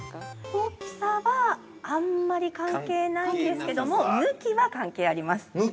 ◆大きさは、あんまり関係ないんですけども、向きは関係あります。